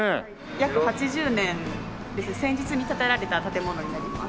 約８０年戦時中に建てられた建物になります。